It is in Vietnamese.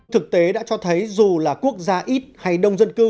thực tế đã cho thấy dù là quốc gia ít hay đông dân cư